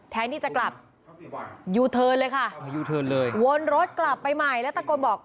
แค่นี้จะกลับเลยค่ะเลยวนรถกลับไปใหม่แล้วตะกนบอก